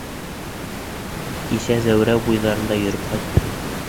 Кисә Зәүрәү буйҙарында йөрөп ҡайттым.